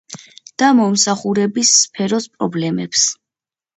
და მომსახურების სფეროს პრობლემებს.